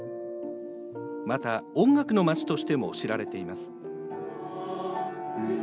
また、音楽の街としても知られています。